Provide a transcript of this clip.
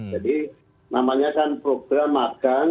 jadi namanya kan program makan